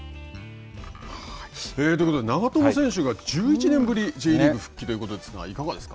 ということで、長友選手が１１年ぶりにＪリーグ復帰ということですがいかがですか。